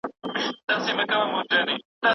که سيالي نه وي، کورنی ژوند به ارام نه وي.